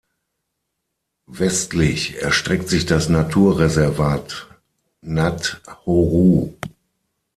Westlich erstreckt sich das Naturreservat "Nad Horou".